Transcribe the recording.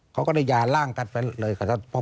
ก็ได้ยาร่างกัดไปเลยครับ